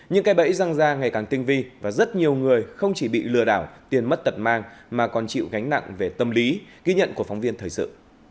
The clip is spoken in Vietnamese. những cây bẫy răng ra ngày càng tinh vi và rất nhiều người không chỉ bị lừa đảo tiền mất tật mang mà còn chịu gánh nặng về tâm lý ghi nhận của phóng viên thời sự